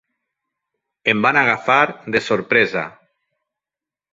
Em van agafar de sorpresa.